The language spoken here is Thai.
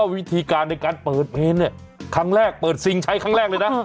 วิธีการในการเปิดเพลงเนี่ยครั้งแรกเปิดซิงใช้ครั้งแรกเลยนะ